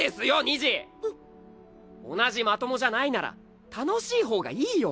同じまともじゃないなら楽しい方がいいよ。